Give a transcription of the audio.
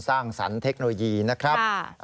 สร้างสรรคโนโลยีนะครับ